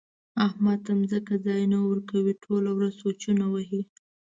احمد ته ځمکه ځای نه ورکوي؛ ټوله ورځ سوچونه وهي.